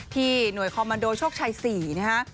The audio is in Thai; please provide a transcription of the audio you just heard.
หน่วยคอมมันโดโชคชัย๔นะฮะ